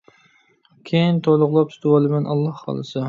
كېيىن تولۇقلاپ تۇتۇۋالىمەن ئاللاھ خالىسا!